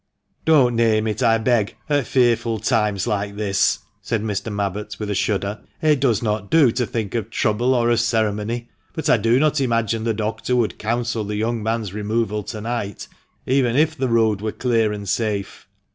" Don't name it, I beg ; at fearful times like this," said Mr. Mabbott, with a shudder, "it does not do to think of trouble or of ceremony. But I do not imagine the doctor would counsel the young man's removal to night, even if the road were clear and safe."